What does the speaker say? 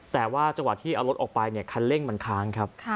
แต่ว่าจังหวะที่เอารถออกไปคันเร่งมันค้างครับ